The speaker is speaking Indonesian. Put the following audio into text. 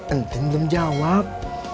enting belum jawab